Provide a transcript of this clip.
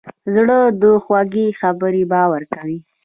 زړه د خوږې خبرې باور کوي.